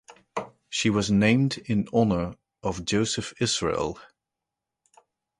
She was named in honor of Joseph Israel.